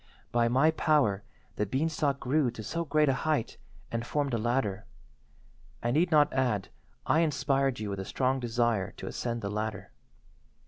"By my power the beanstalk grew to so great a height and formed a ladder. I need not add I inspired you with a strong desire to ascend the ladder.